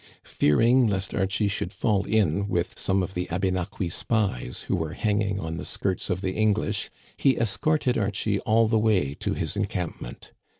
Fearing lest Archie should fall in with some of the Abénaquis spies who were hanging on the skirts of the English; he escorted Archie all the way to his encamp ment.